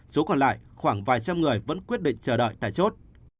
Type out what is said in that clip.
số còn lại khoảng vài trăm người vẫn quyết định chờ đợi tại chốt